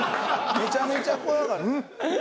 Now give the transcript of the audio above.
めちゃめちゃ怖かった。